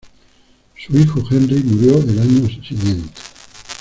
Su hijo Henry murió al año siguiente.